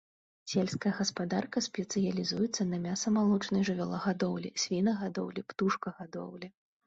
Сельская гаспадарка спецыялізуецца на мяса-малочнай жывёлагадоўлі, свінагадоўлі, птушкагадоўлі.